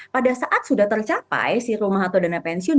pada saat sudah tercapai si rumah atau dana pensiun